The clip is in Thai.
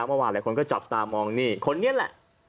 เมื่อวานอะไรก็จับตามองคนนี้แหละ